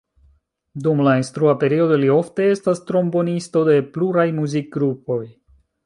Dum la instrua periodo li ofte estas trombonisto de pluraj muzikgrupoj.